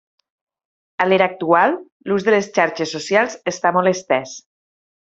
A l'era actual, l'ús de les xarxes socials està molt estès.